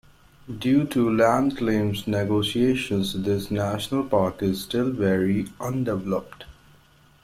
Due to land claims negotiations, this national park is still very undeveloped.